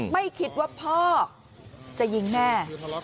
ไม่คิดว่าพ่อจะยิงแม่